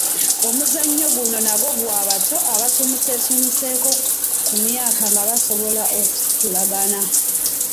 Omuzannyo guno nagwo gwa bato abasuumuuseemukko ku myaka nga basobola okusitulagana.